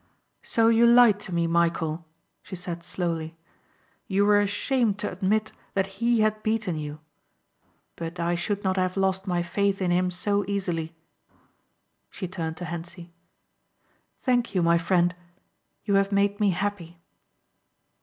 "So you lied to me, Michæl," she said slowly. "You were ashamed to admit that he had beaten you. But I should not have lost my faith in him so easily." She turned to Hentzi. "Thank you my friend. You have made me happy."